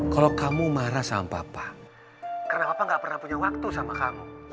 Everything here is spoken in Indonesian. kalau kamu marah sama papa karena apa gak pernah punya waktu sama kamu